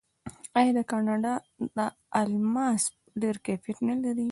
آیا د کاناډا الماس ډیر کیفیت نلري؟